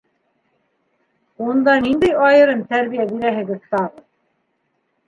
Унда ниндәй айырым тәрбиә бирәһегеҙ тағы?